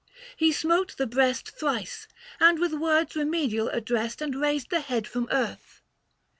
He smote the breast Thrice, and with words remedial addressed, And raised the head from earth.